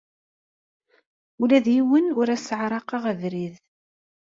Ula d yiwen ur as-sseɛraqeɣ abrid.